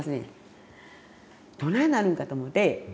どないなるんかと思うて。